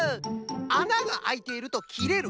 「あながあいている」と「きれる」。